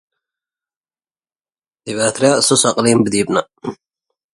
Didn’t I tell you I could do it!